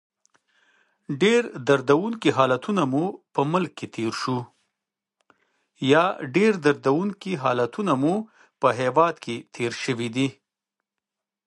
ډېر دردونکي حالتونه مو په ملک کې تېر شوي.